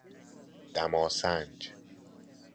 دما سنج